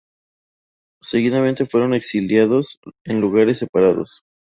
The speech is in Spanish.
Seguidamente fueron exiliados en lugares separados.